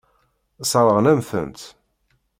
Sseṛɣeɣ-am-tent.